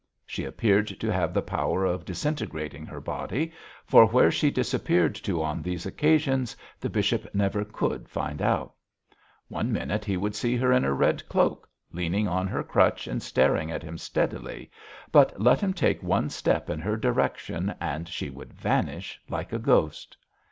She appeared to have the power of disintegrating her body, for where she disappeared to on these occasions the bishop never could find out. One minute he would see her in her red cloak, leaning on her crutch and staring at him steadily, but let him take one step in her direction and she would vanish like a ghost.